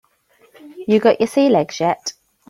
You got your sea legs yet?